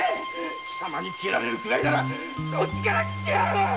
貴様に斬られるくらいならこっちから斬ってやる！